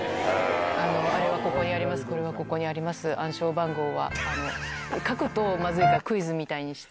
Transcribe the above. あれはここにあります、これはここにあります、暗証番号は書くとまずいから、クイズみたいにして。